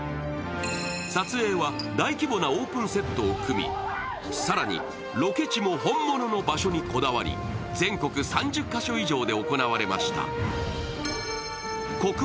撮影は大規模なオープンセットを組み、更にロケ地も本物の場所にこだわり、全国３０か所以上で行われました。